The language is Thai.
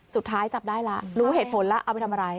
สุดท้ายจับได้แล้วรู้เหตุผลแล้วเอาไปทำอะไร